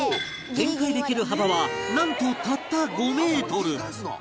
転回できる幅はなんとたった５メートル